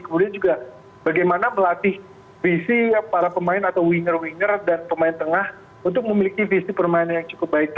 kemudian juga bagaimana melatih visi para pemain atau winger winger dan pemain tengah untuk memiliki visi permainan yang cukup baik